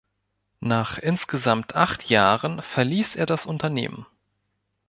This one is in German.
Nach insgesamt acht Jahren verließ er das Unternehmen.